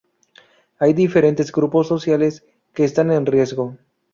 Hay diferentes grupos sociales que están en riesgo.